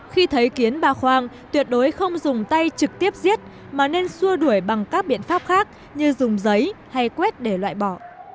khi thấy kiến bà khoang tuyệt đối không dùng tay trực tiếp giết mà nên xua đuổi bằng các biện pháp khác như dùng giấy hay quét để loại bỏ